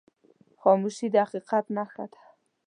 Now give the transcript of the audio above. خاموشي، د حقیقت نښه ده.